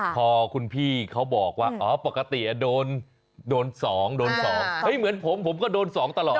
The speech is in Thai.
พอคุณพี่เขาบอกว่าอ๋อปกติโดน๒โดน๒เหมือนผมผมก็โดน๒ตลอด